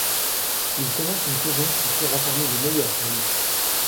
Il commence une saison qui sera parmi les meilleures pour lui.